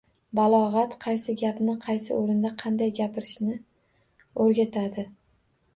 Balog‘at qaysi gapni qaysi o‘rinda qanday gapirishni o‘rgatadi.